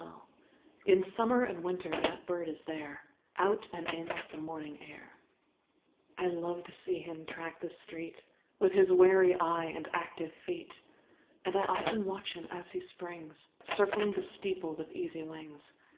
B I li (88) In summer and winter that bird is there, Out and in with the morning air : I love to see him track the street, Witli his wary eye and active feet ; And 1 often watch him as he springs. Circling the steeple with easy wings.